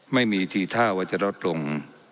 ไม่มีทีท่าวัตตาล็อตลง